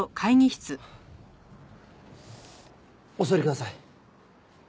お座りください。